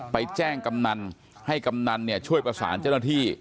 ไปแจ้งกำนันให้กำนันเนี่ยช่วยประสานเจ้าหน้าที่